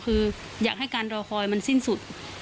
คืออยากให้การรอคอยมันสิ้นสุด